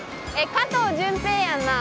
加藤準平やんな？